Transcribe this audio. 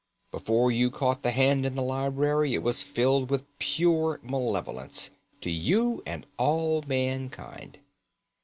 Before you caught the hand in the library it was filled with pure malevolence—to you and all mankind.